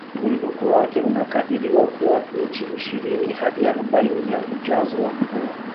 Mwinuko wake unakadiriwa kuwa inchi ishirini hadi arobaini ya ujazo wa mvua